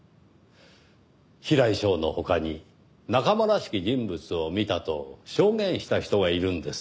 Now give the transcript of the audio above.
平井翔の他に「仲間らしき人物を見た」と証言した人がいるんです。